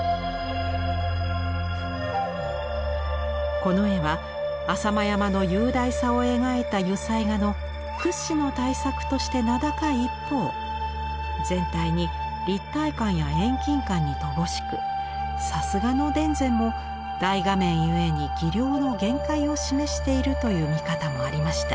この絵は浅間山の雄大さを描いた油彩画の屈指の大作として名高い一方全体に立体感や遠近感に乏しくさすがの田善も大画面ゆえに技量の限界を示しているという見方もありました。